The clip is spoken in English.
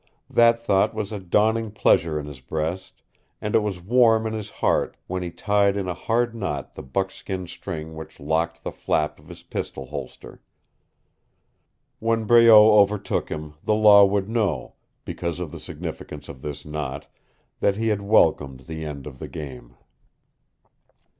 That thought was a dawning pleasure in his breast, and it was warm in his heart when he tied in a hard knot the buckskin string which locked the flap of his pistol holster. When Breault overtook him the law would know, because of the significance of this knot, that he had welcomed the end of the game.